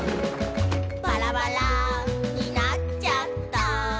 「バラバラになちゃった」